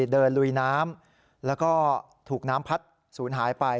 ลุยน้ำแล้วก็ถูกน้ำพัดศูนย์หายไป